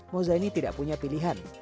moza ini tidak punya pilihan